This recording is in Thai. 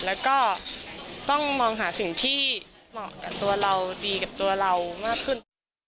แล้วก็ต้องมองหาสิ่งที่เหมาะกับตัวเราดีกับตัวเรามากขึ้น